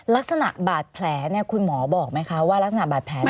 ลักษณะบาดแผลเนี่ยคุณหมอบอกไหมคะว่ารักษณะบาดแผล